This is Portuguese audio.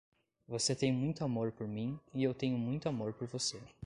você tem muito amor por mim e eu tenho muito amor por você